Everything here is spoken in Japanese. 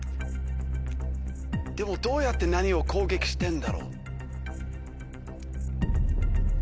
でもどうやって何を攻撃してんだろう？